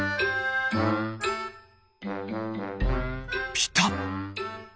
ピタッ。